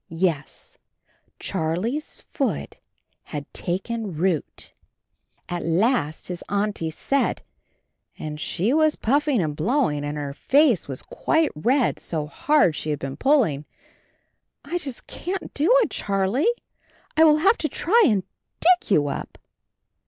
Yes, Charlie's foot had taken root. 42 CHARLIE At last his Auntie said — and she was puff ing and blowing and her face was quite red, so hard had she been pulling — "I just can't do it, Charlie. I will have to try and dig you up."